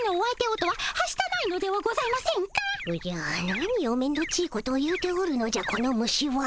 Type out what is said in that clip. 何をめんどっちいことを言うておるのじゃこの虫は。